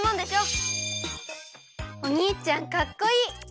おにいちゃんかっこいい！